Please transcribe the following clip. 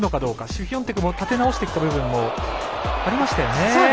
シフィオンテクも立て直してきた部分もありましたよね。